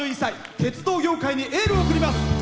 鉄道業界にエールを送ります。